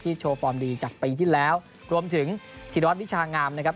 โชว์ฟอร์มดีจากปีที่แล้วรวมถึงธีรวัตรวิชางามนะครับ